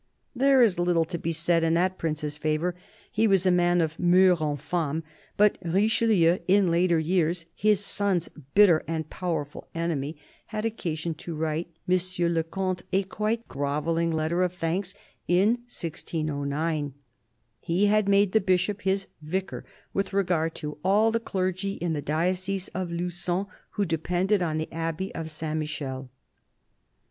There is little to be said in that prince's favour; he was a man of "moeurs infames "; but Richelieu, in later years his son's bitter and powerful enemy, had occasion to write M. le Comte a quite grovelling letter of thanks in 1609. He had made the Bishop his "vicar" with regard to all the clergy in the diocese of Lugon who depended on the Abbey of Saint Michel.